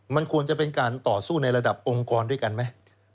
มันควรจะเป็นการต่อสู้ในระดับองค์กรด้วยกันไหม